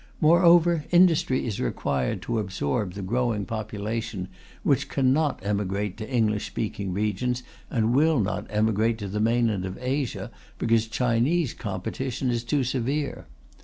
Moreover, industry is required to absorb the growing population, which cannot emigrate to English speaking regions, and will not emigrate to the mainland of Asia because Chinese competition is too severe.